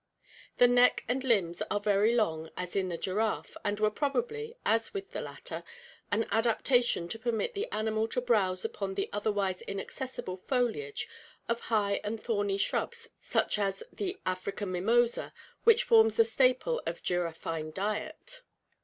The neck and limbs are very long as in the giraffe and were probably, as with the latter, an adaptation to permit the animal to browse upon the otherwise inaccessible foliage of high and thorny shrubs such as the African mimosa, which forms the staple of giraffine diet.